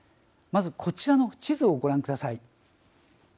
まず、こちらの地図をご覧ください。